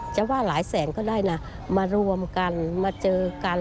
จะว่าหลายแสนก็ได้นะมารวมกันมาเจอกัน